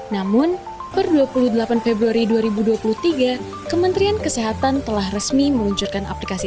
namun per dua puluh delapan februari dua ribu dua puluh tiga kementerian kesehatan telah resmi meluncurkan aplikasi